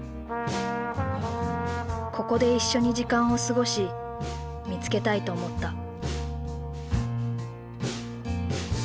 ここで一緒に時間を過ごし見つけたいと思った。